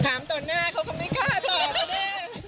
ถามต่อหน้าเขาก็ไม่ข้าดต่อเลย